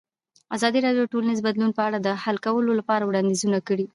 ازادي راډیو د ټولنیز بدلون په اړه د حل کولو لپاره وړاندیزونه کړي.